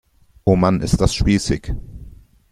Oh Mann, ist das spießig!